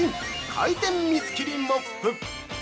回転水切モップ！